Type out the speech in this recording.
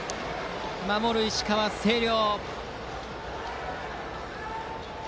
守る石川・星稜。